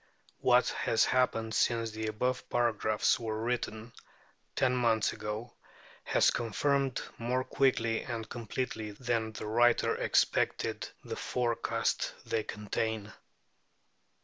What has happened since the above paragraphs were written, ten months ago, has confirmed more quickly and completely than the writer expected the forecasts they contain.